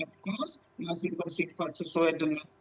of course masih bersifat sesuai dengan